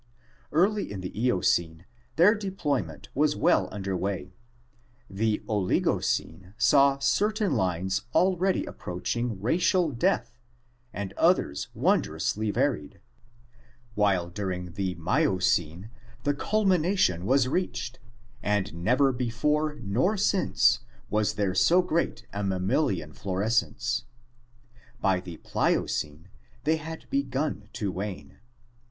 Early in the Eocene their deployment was well under way, the Oligocene saw certain lines already approaching racial death and others wondrously varied, while during the Miocene the culmina tion was reached and never before nor since was there so great a mammalian florescence. By the Pliocene they had begun to wane.